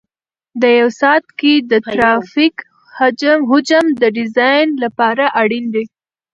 په یو ساعت کې د ترافیک حجم د ډیزاین لپاره اړین دی